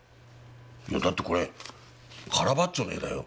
いやだってこれカラヴァッジョの絵だよ。